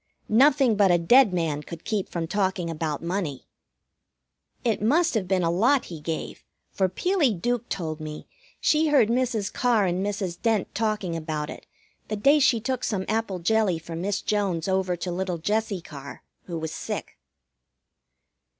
Nothing but a dead man could keep from talking about money. It must have been a lot he gave, for Peelie Duke told me she heard Mrs. Carr and Mrs. Dent talking about it the day she took some apple jelly for Miss Jones over to little Jessie Carr, who was sick.